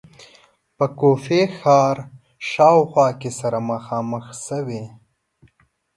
په کوفې ښار شاوخوا کې سره مخامخ شوې.